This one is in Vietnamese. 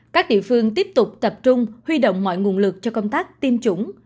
các địa phương tiếp tục tập trung huy động mọi nguồn lực cho công tác tiêm chủng